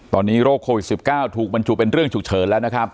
ตอนนี้โรคโควิด๑๙ถูกบรรจุเป็นเรื่องฉุกเฉินแล้วนะครับ